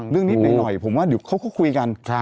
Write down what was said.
เรื่องนี้ไปหน่อยผมว่าเดี๋ยวเขาก็คุยกัน